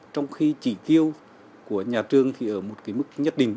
trong khi trí tiêu của nhà trường thì ở một cái mức nhất định